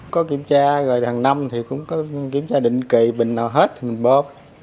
có kiểm tra rồi hàng năm thì cũng có kiểm tra định kỳ bình nào hết thì mình bóp